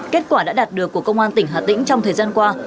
kết quả đã đạt được của công an tỉnh hà tĩnh trong thời gian qua